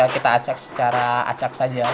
kita aceh secara acak saja